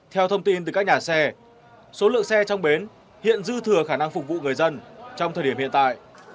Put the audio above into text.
theo thông tin từ các nhà xe số lượng xe trong bến hiện dư thừa khả năng phục vụ người dân trong thời điểm hiện tại